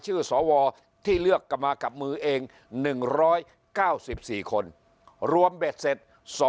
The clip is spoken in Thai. สวที่เลือกกลับมากับมือเอง๑๙๔คนรวมเบ็ดเสร็จ